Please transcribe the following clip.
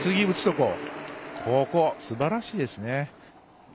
ここ、すばらしいですね。